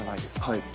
はい。